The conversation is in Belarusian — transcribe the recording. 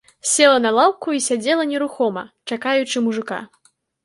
Села на лаўку і сядзела нерухома, чакаючы мужыка.